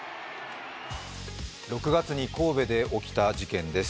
６月に神戸で起きた事件です